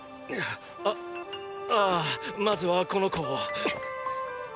あああまずはこの子を。